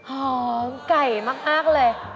หอมไก่มากเลย